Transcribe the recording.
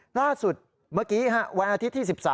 ล่าสุดเมื่อกี้วันอาทิตย์ที่๑๓